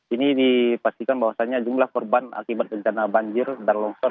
ini dipastikan bahwasannya jumlah korban akibat bencana banjir dan longsor